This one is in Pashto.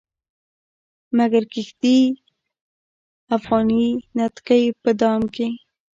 مګر کښيږدي افغاني نتکۍ په دام کې